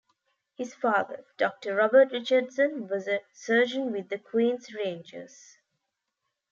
His father Doctor Robert Richardson was a surgeon with the Queen's Rangers.